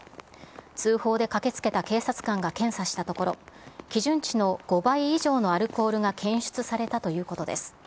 通報で駆けつけた警察官が検査したところ、基準値の５倍以上のアルコールが検出されたということです。